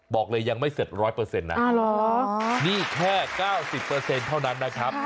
บอกเลยยังไม่เสร็จ๑๐๐นะนี่แค่๙๐เท่านั้นนะครับ